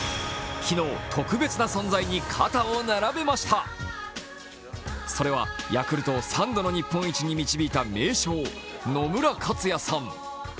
昨日、特別な存在に肩を並べましたそれはヤクルトを３度の日本一に導いた名将、野村克也さん。